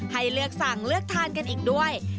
ให้เลือกสั่งเลือกทานกันอีกด้วย